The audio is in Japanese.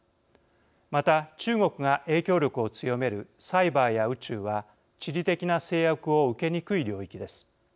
また中国が影響力を強めるサイバーや宇宙は地理的な制約を受けにくい領域です。